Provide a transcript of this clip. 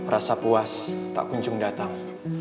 rasa puas tak kunjung datang